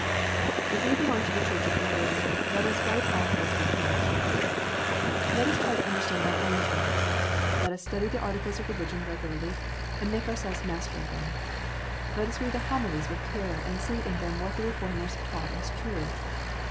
If we belong to the Church of England, let us wipe off this 240 KNOTS UNTIED. reproach. Let us try to understand our own Church. Let us study the Articles of Religion regularly, and make ourselves master of them. Let us read the Homilies with care, and see in them what the Reformers taught as true.